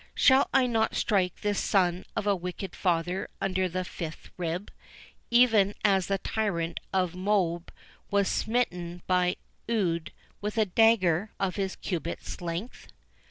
"Shall I not strike this son of a wicked father under the fifth rib, even as the tyrant of Moab was smitten by Ehud with a dagger of a cubit's length?"